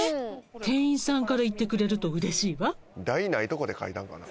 店員さんから言ってくれるとうれしいわ。